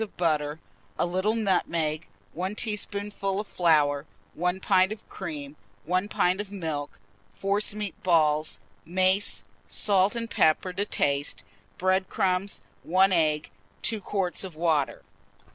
of butter, a little nutmeg, 1 teaspoonful of flour, 1 pint of cream, 1 pint of milk; forcemeat balls, mace, salt and pepper to taste, bread crumbs, 1 egg, 2 quarts of water.